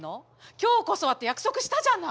今日こそはって約束したじゃない！